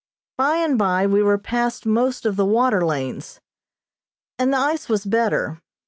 By and by we were past most of the water lanes, and the ice was better.